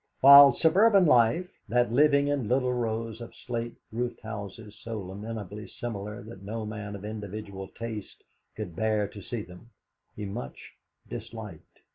While suburban life, that living in little rows of slate roofed houses so lamentably similar that no man of individual taste could bear to see them, he much disliked.